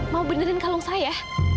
mau benerin kalung saya